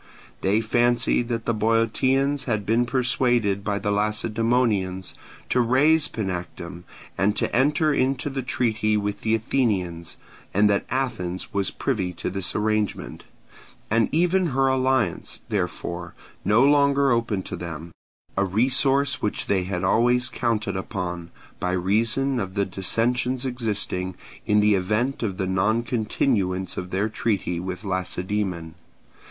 They fancied that the Boeotians had been persuaded by the Lacedaemonians to raze Panactum and to enter into the treaty with the Athenians, and that Athens was privy to this arrangement, and even her alliance, therefore, no longer open to them—a resource which they had always counted upon, by reason of the dissensions existing, in the event of the noncontinuance of their treaty with Lacedaemon.